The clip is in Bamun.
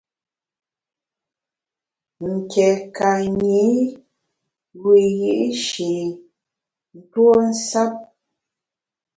Nké ka nyi wiyi’shi ntuo nsap.